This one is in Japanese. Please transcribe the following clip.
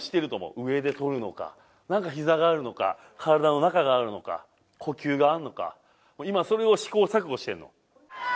上でとるのか、膝があるのか、体の中があるのか呼吸があるのか、今、それを試行錯誤してんの。